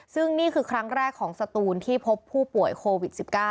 ซึ่งนี่คือครั้งแรกของสตูนที่พบผู้ป่วยโควิด๑๙